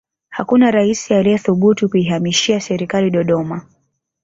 hakuna raisi aliyethubutu kuihamishia serikali dodoma